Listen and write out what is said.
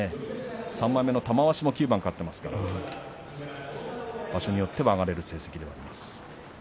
３枚目の玉鷲も９番勝っていますから場所によっては上がれる成績ではあります。